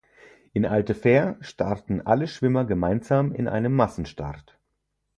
In Altefähr starten alle Schwimmer gemeinsam in einem Massenstart.